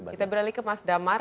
kita beralih ke mas damar